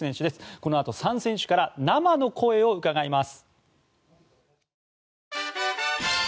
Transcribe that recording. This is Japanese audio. このあと３選手から生の声を伺います。